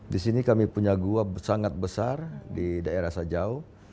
di sini kami punya gua sangat besar di daerah sajau